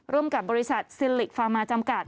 ร่วมกับบริษัทซิลิกฟามาจำกัด